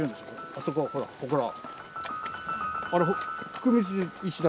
あそこほらほこら。